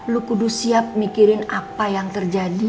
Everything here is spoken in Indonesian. lu kudu siap mikirin apa yang terjadi